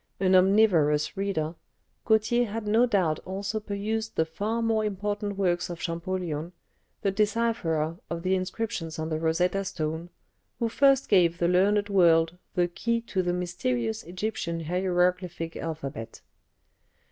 An omnivorous reader, Gautier had no doubt also perused the far more important works of Champollion, the decipherer of the inscriptions on the Rosetta stone, who first gave the learned world the key to the mysterious Egyptian hieroglyphic alphabet.